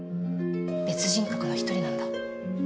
別人格の１人なんだ。